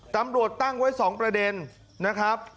ตำรวจตั้งไว้๒ประเด็นนะครับ